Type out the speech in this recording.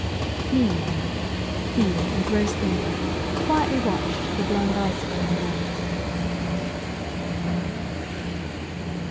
Meanwhile, he and Rose Thinker quietly watched the Blonde Icicle melt.